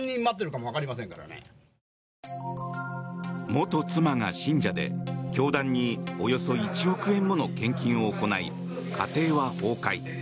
元妻が信者で、教団におよそ１億円もの献金を行い家庭は崩壊。